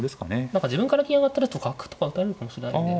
何か自分から銀上がってると角とか打たれるかもしれないんで。